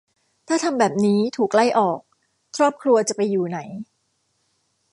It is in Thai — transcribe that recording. ถ้าทำแบบนี้ ถูกไล่ออก ครอบครัวจะไปอยู่ไหน